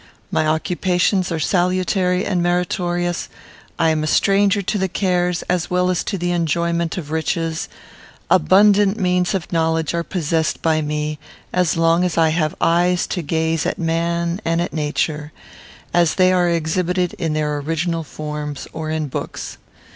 My occupations are salutary and meritorious; I am a stranger to the cares as well as to the enjoyment of riches; abundant means of knowledge are possessed by me, as long as I have eyes to gaze at man and at nature, as they are exhibited in their original forms or in books.